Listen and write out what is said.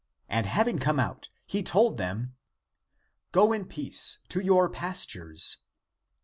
And having come out, he told them, " Go in peace to your pastures